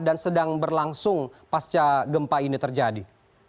dan sedang berlangsung pasca gempa ini terjadi